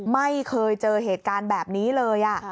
ไม่เคยเจอเหตุการณ์แบบนี้เลย